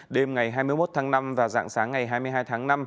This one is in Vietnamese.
đêm ngày hai mươi một tháng năm và dạng sáng ngày hai mươi hai tháng năm